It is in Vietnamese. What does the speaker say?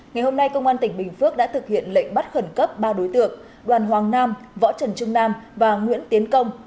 ngày hôm nay công an tỉnh bình phước đã thực hiện lệnh bắt khẩn cấp ba đối tượng đoàn hoàng nam võ trần trung nam và nguyễn tiến công